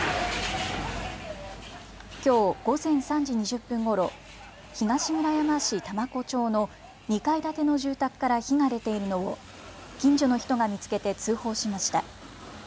きょう午前３時２０分ごろ東村山市多摩湖町の２階建ての住宅から火が出ているのを近所の人が見つけて通報しました。